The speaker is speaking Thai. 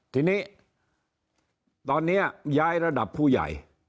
ทีนี้ตอนนี้ย้ายระดับผู้ใหญ่